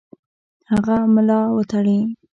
هغه ملا وتړي.